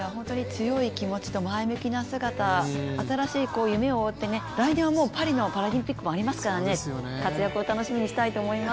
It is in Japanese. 強い気持ちと前向きな姿新しい夢を追って、来年はパリのパラリンピックもありますから活躍を楽しみにしたいと思います。